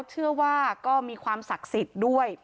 เชื่อว่าก็มีความศักดิ์สิทธิ์ด้วย